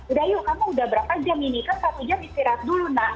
udah yuk kamu udah berapa jam ini kan satu jam istirahat dulu nak